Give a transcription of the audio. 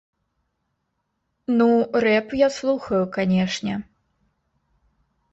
Ну, рэп я слухаю, канешне.